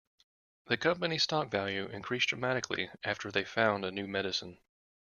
The company's stock value increased dramatically after they found a new medicine.